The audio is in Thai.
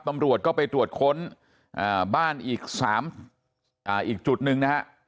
ตำรวจก็ไปตรวจค้นบ้านอีกจุดหนึ่งนะฮะ